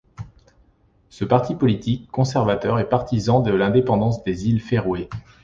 Ce parti politique conservateur est partisan de l’indépendance des Îles Féroé.